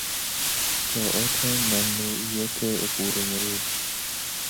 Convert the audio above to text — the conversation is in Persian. ساعات مموعیت عبور و مرور